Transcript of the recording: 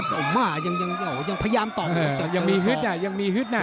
เจมมากกยังพยายามตอบยังมีฮึตแย่มีฮึตนะ